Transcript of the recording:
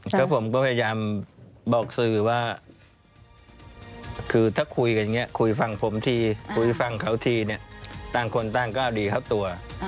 ก็ผมก็พยายามบอกสื่อว่าคือถ้าคุยกันอย่างนี้คุยฟังผมทีคุยฟังเขาทีเนี่ยต่างคนต่างก็ดีเข้าตัว